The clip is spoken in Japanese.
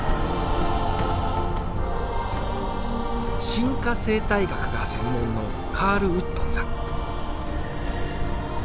進化生態学が専門のカール・ウットンさん。